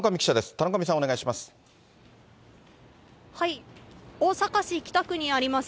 田上さん、お願いします。